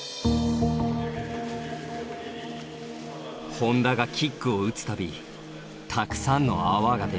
本多がキックを打つ度たくさんの泡が出る。